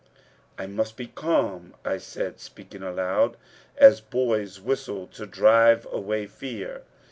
"I must be calm," I said, speaking aloud, as boys whistle to drive away fear.